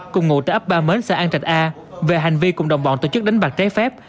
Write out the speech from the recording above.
cùng ngụ tại ấp ba mến xã an trạch a về hành vi cùng đồng bọn tổ chức đánh bạc trái phép